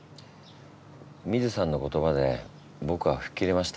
ミズさんの言葉で僕は吹っ切れました。